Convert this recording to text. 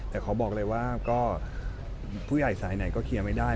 แต่ขอบอกเลยว่าก็ผู้ใหญ่สายไหนก็เคลียร์ไม่ได้